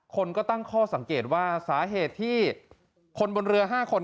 คนก็ตั้งข้อสังเกตว่าสาเหตุที่คนบนเรือ๕คน